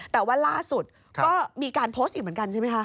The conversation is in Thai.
แต่ว่าล่าสุดก็มีการโพสต์อีกเหมือนกันใช่ไหมคะ